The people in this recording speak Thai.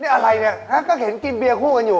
อะไรเนี่ยฮะก็เห็นกินเบียร์คู่กันอยู่